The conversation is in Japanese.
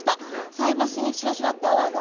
菜箸にシュワシュワって泡が。